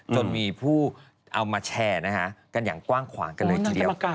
จนมีผู้เอามาแชร์นะฮะกันอย่างกว้างขวางกันเลยทีเดียว